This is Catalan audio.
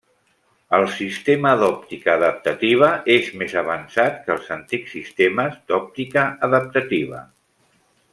El sistema d'òptica adaptativa és més avançat que els antics sistemes d'òptica adaptativa.